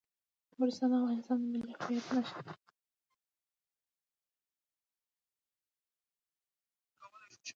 نورستان د افغانستان د ملي هویت نښه ده.